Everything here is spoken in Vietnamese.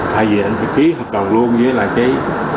thay vì anh phải ký hợp đồng luôn với lại cái